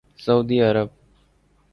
سعودی عرب